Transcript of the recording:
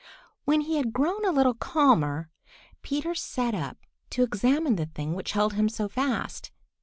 When he had grown a little calmer, Peter sat up to examine the thing which held him so fast.